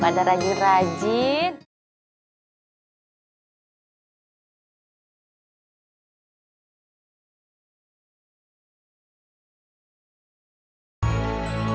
pada mau kemana